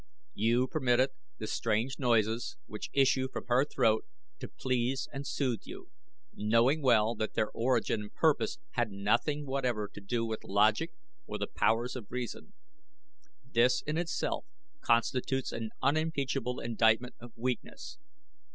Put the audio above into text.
"You permitted the strange noises which issue from her throat to please and soothe you, knowing well that their origin and purpose had nothing whatever to do with logic or the powers of reason. This in itself constitutes an unimpeachable indictment of weakness.